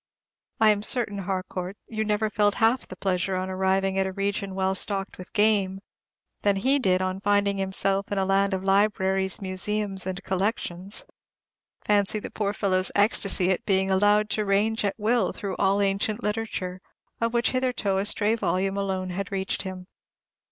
I am certain, Harcourt, you never felt half the pleasure on arriving at a region well stocked with game, that he did on finding himself in a land of Libraries, Museums, and Collections. Fancy the poor fellow's ecstasy at being allowed to range at will through all ancient literature, of which hitherto a stray volume alone had reached him.